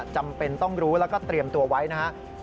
จำเป็นต้องรู้แล้วก็เตรียมตัวไว้นะครับ